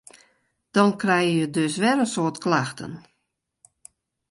Dan krije je dus wer in soad klachten.